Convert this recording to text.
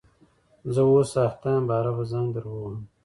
زه اوس اخته یم باره به زنګ در ووهم